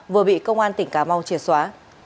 vừa bị công an tỉnh cà mau triệt xóa